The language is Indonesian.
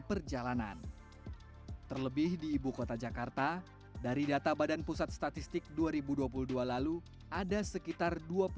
perjalanan terlebih di ibukota jakarta dari data badan pusat statistik dua ribu dua puluh dua lalu ada sekitar dua puluh enam